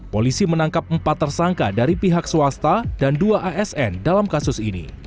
polisi menangkap empat tersangka dari pihak swasta dan dua asn dalam kasus ini